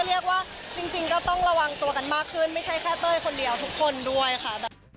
เรียกว่าจริงก็ต้องระวังตัวกันมากขึ้นไม่ใช่แค่เต้ยคนเดียวทุกคนด้วยค่ะ